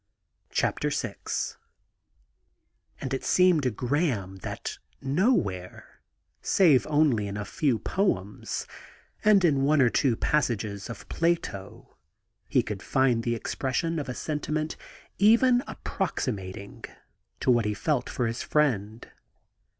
52 VI jfND it seemed to Graham that no where, save only in a few poems, and in one or two passages of Plato, he could find the expression of a sentiment even approximating to that he felt for his friend.